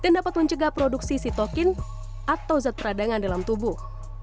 dan dapat mencegah produksi sitokin atau zat peradangan dalam tubuh